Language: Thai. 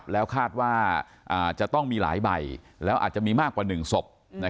แล้วคาดว่าจะต้องมีหลายใบแล้วอาจจะมีมากกว่า๑ศพ